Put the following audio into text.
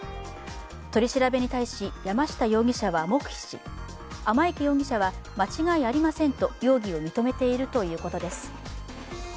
取り調べに対し、山下容疑者は黙秘し、天池容疑者は間違いありませんと容疑を認めているということです。